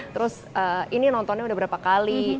terus ini nontonnya udah berapa kali